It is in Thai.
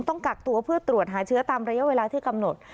ต้องกักตัวเพื่อตรวจหาเชื้อตามระยะเวลาที่กำหนด